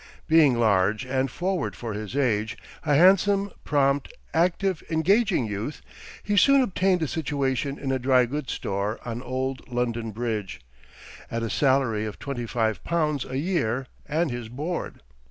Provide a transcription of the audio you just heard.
Being large and forward for his age, a handsome, prompt, active, engaging youth, he soon obtained a situation in a dry goods store on old London Bridge, at a salary of twenty five pounds a year and his board.